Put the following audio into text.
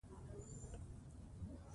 ئي تباه او برباد کړې!! هلته صرف کرکنړي او